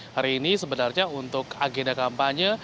hari ini sebenarnya untuk agenda kampanye